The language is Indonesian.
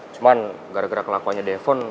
cuman gara gara kelakuannya defen